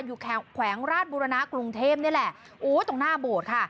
อยู่แขวงมาศบุรณากรุงเทมนี่แหละโอ้โฮตรงหน้าโบดค่ะ